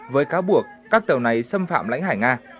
với cáo buộc các tàu này xâm phạm lãnh hải nga